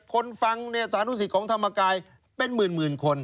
คนฟังสานุสิตของธรรมกายเป็นหมื่นคน